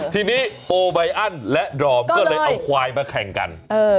ทีนี้โปไบอันและดอมก็เลยเอาควายมาแข่งกัน